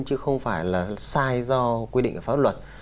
chứ không phải là sai do quy định của pháp luật